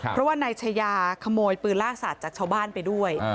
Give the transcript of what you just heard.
เพราะว่านายชายาขโมยปืนล่าสัตว์จากชาวบ้านไปด้วย